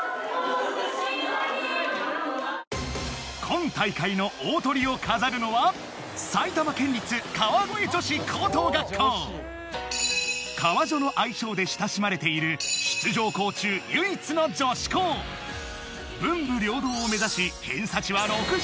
今大会の大トリを飾るのは埼玉県立川越女子高等学校カワジョの愛称で親しまれている出場校中唯一の女子校文武両道を目指し偏差値は６９